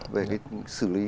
về cái xử lý